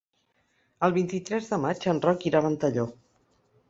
El vint-i-tres de maig en Roc irà a Ventalló.